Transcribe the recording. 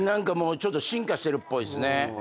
ちょっと進化してるっぽいっすね。